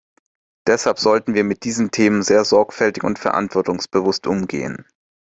Deshalb sollten wir mit diesem Thema sehr sorgfältig und verantwortungsbewusst umgehen.